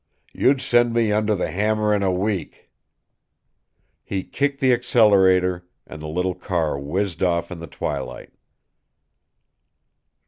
You'd send me under the hammer in a week." He kicked the accelerator, and the little car whizzed off in the twilight.